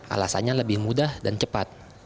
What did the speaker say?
alasannya lebih mudah dan cepat